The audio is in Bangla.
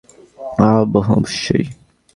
অহ, বোহ, অবশ্যই।